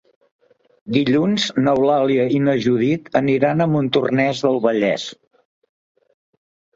Dilluns n'Eulàlia i na Judit aniran a Montornès del Vallès.